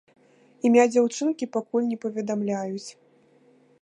Імя дзяўчынкі пакуль не паведамляюць.